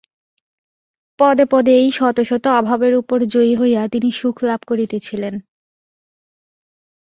পদে পদে এই শত শত অভাবের উপর জয়ী হইয়া তিনি সুখ লাভ করিতেছিলেন।